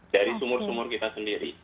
dari sumur sumur kita sendiri